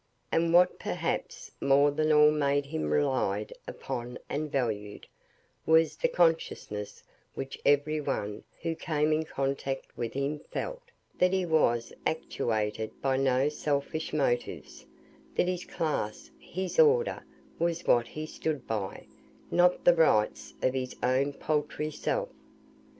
And what perhaps more than all made him relied upon and valued, was the consciousness which every one who came in contact with him felt, that he was actuated by no selfish motives; that his class, his order, was what he stood by, not the rights of his own paltry self.